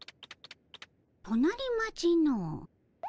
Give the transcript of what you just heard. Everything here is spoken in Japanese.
隣町のう。